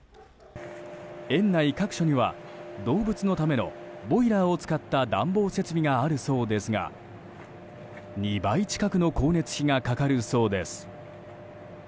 園内各所には動物のためのボイラーを使った暖房設備があるそうですが２倍近くの光熱費がかかるそうです。